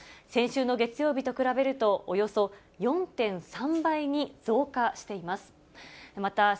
先週の月曜日と比べるとおよそ４．３倍に増加しています。